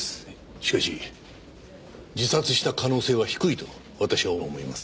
しかし自殺した可能性は低いと私は思います。